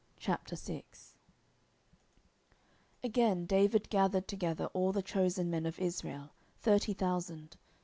10:006:001 Again, David gathered together all the chosen men of Israel, thirty thousand.